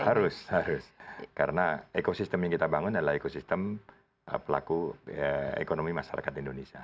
harus harus karena ekosistem yang kita bangun adalah ekosistem pelaku ekonomi masyarakat indonesia